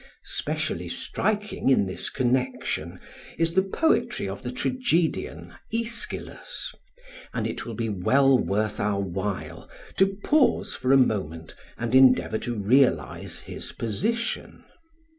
Specially striking in this connection is the poetry of the tragedian Aeschylus; and it will be well worth our while to pause for a moment and endeavour to realise his position.